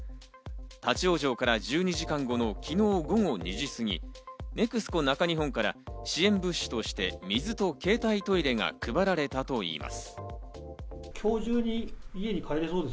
立ち往生から１２時間後の昨日午後２時過ぎ、ＮＥＸＣＯ中日本から支援物資として水と携帯トイレが配られたといいます。